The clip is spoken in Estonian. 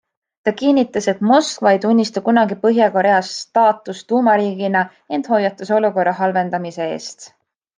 Ta kinnitas, et Moskva ei tunnista kunagi Põhja-Korea staatust tuumariigina, ent hoiatas olukorra halvendamise eest.